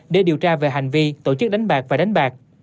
để điều tra về hành vi tổ chức đánh bạc và đánh bạc